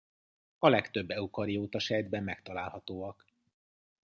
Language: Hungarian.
A legtöbb eukarióta sejtben megtalálhatóak.